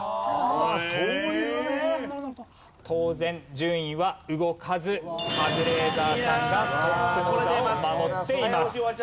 当然順位は動かずカズレーザーさんがトップの座を守っています。